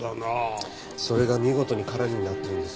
それが見事に空になってるんですよ。